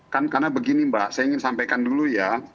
kan karena begini mbak saya ingin sampaikan dulu ya